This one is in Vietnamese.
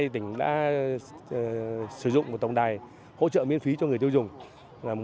tỉnh đã sử dụng một tổng đài hỗ trợ miễn phí cho người tiêu dùng một tám trăm linh sáu nghìn tám trăm ba mươi tám